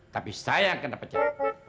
tapi saya yang kena pecah